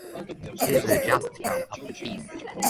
He is a Justice of the Peace.